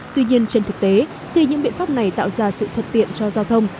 tuy nhiên trên thực tế khi những biện pháp này tạo ra sự thuận tiện cho giao thông